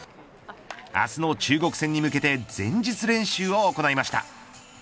明日の中国戦に向けて前日練習を行いました。